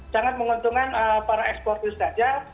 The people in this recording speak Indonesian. sangat menguntungkan para ekspor itu saja